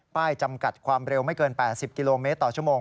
จำกัดความเร็วไม่เกิน๘๐กิโลเมตรต่อชั่วโมง